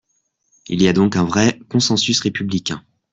Il y a donc un vrai consensus républicain.